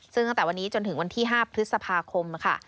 ซึ่งตั้งแต่วันนี้จนถึงวันที่๕พฤษภาคมค่ะ